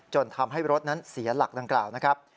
ทำให้รถนั้นเสียหลักดังกล่าวนะครับ